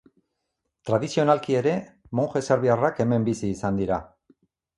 Tradizionalki ere monje serbiarrak hemen bizi izan dira.